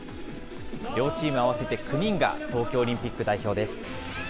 両チーム合わせて９人が東京オリンピック代表です。